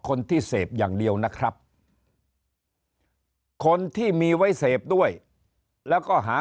คนที่เสพอย่างเดียวนะครับคนที่มีไว้เสพด้วยแล้วก็หา